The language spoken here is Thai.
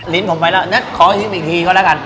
ลิ้นผมไปแล้วเนี่ยขออีกทีก่อนแล้วกัน